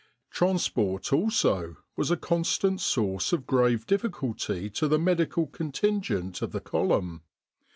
Transport, also, was a constant source of grave difficulty to the medical contingent of the column.